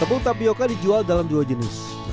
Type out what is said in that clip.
tepung tapioca dijual dalam dua jenis